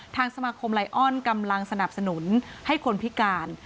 ทางสมาคมไลออนกำลังสนับสนุนให้คนพิการ